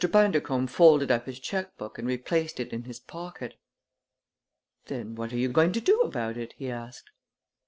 Bundercombe folded up his checkbook and replaced it in his pocket. "Then what are you going to do about it?" he asked.